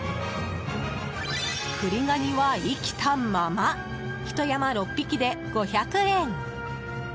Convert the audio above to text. クリガニは生きたままひと山６匹で５００円。